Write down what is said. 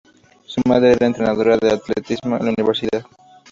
Su madre era entrenadora de atletismo en la universidad.